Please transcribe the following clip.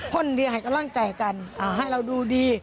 คนเดียวให้กำลังใจกันให้เราดูดี